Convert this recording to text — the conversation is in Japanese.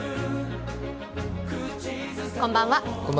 こんばんは。